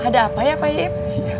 ada apa ya pak yeb